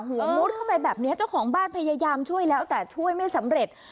มุดเข้าไปแบบนี้เจ้าของบ้านพยายามช่วยแล้วแต่ช่วยไม่สำเร็จ